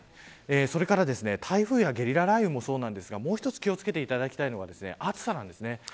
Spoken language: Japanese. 台風やゲリラ雷雨もそうですがもう一つお気を付けていただきたいのが暑さです。